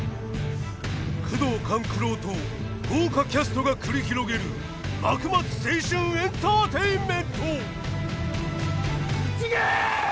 宮藤官九郎と豪華キャストが繰り広げる幕末青春エンターテインメント！